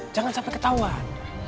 jangan sampai ketahuan